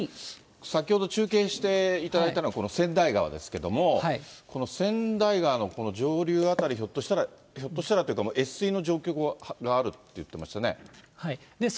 先ほど中継していただいたのはこの千代川ですけれども、この千代川のこの上流辺り、ひょっとしたら、ひょっとしたらというか、越水の状況があるっていってましたね。